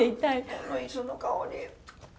この磯の香り。